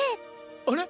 あれ？